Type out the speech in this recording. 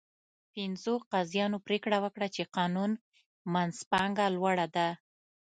پنځو قاضیانو پرېکړه وکړه چې قانون منځپانګه لوړه ده.